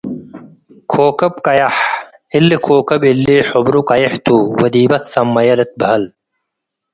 ኮከብ ቀየሕ፤ እሊ ኮከብ እሊ ሕብሩ ቀዬሕ ቱ ወዲበ ትሰመየ ልትበሀል ።